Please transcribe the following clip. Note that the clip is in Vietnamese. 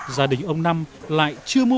gia đình ông năm lại chưa mua